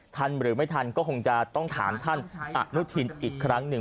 หรือไม่ทันก็คงจะต้องถามท่านอนุทินอีกครั้งหนึ่ง